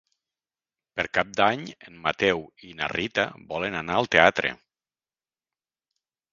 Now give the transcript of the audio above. Per Cap d'Any en Mateu i na Rita volen anar al teatre.